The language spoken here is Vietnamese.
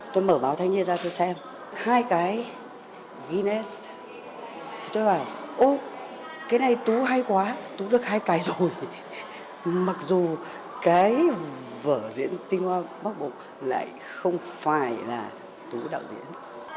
tôi mở báo thay như ra tôi xem hai cái guinness tôi bảo ồ cái này tú hay quá tú được hai cái rồi mặc dù cái vợ diễn tình hòa bắc bộ lại không phải là tú đạo diễn